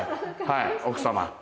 はい奥様。